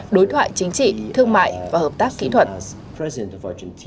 đối thoại chính trị thương mại và hợp tác kỹ thuật